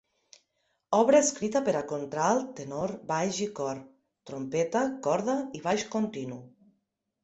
Obra escrita per a contralt, tenor, baix i cor; trompeta, corda i baix continu.